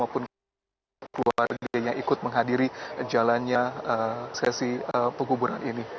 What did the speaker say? maupun keluarga yang ikut menghadiri jalannya sesi penguburan ini